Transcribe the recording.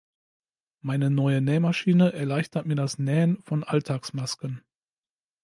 Meine neue Nähmaschine erleichtert mir das Nähen von Alltagsmasken.